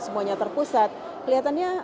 semuanya terpusat kelihatannya